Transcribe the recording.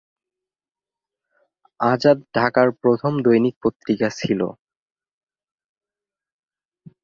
আজাদ ঢাকার প্রথম দৈনিক পত্রিকা ছিল।